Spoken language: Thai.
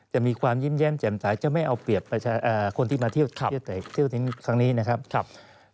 มีความยิ้มแย้มแจ่มสายจะไม่เอาเปรียบประชาชนที่มาเที่ยวทิ้งครั้งนี้นะครับ